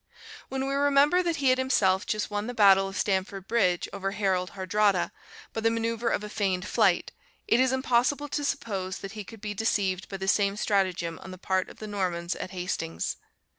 When we remember that he had himself just won the battle of Stamford Bridge over Harald Hardrada by the manoeuvre of a feigned flight, it is impossible to suppose that he could be deceived by the same stratagem on the part of the Normans at Hastings.